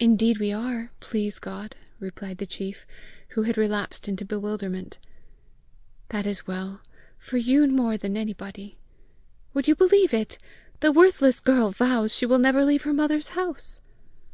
"Indeed we are, please God!" replied the chief, who had relapsed into bewilderment. "That is well for you more than anybody. Would you believe it the worthless girl vows she will never leave her mother's house!"